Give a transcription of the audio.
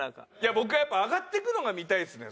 僕やっぱ上がってくのが見たいですね。